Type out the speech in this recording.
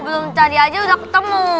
belum tadi aja udah ketemu